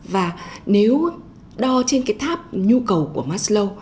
và nếu đo trên cái tháp nhu cầu của mastlow